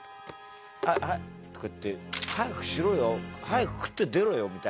はいはい」とか言って「早くしろよ。早く食って出ろよ」みたいな感じだったの。